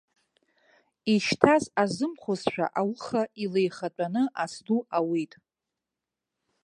Ишьҭаз изымхозшәа ауха илеихатәаны ас ду ауит.